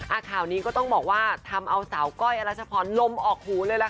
ข่าวนี้ก็ต้องบอกว่าทำเอาสาวก้อยอรัชพรลมออกหูเลยล่ะค่ะ